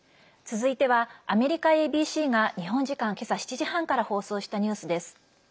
続いてはアメリカＡＢＣが日本時間、今朝７時半から放送したニュースです。